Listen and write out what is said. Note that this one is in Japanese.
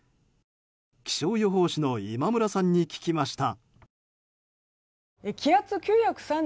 気象予報士の今村さんに聞きました。